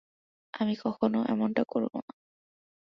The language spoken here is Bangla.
আমি কখনো এমনটা করবো না!